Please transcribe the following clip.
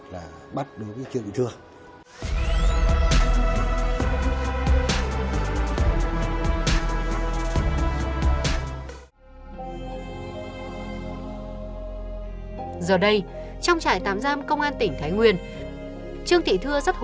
và bắt đối với trương thị thưa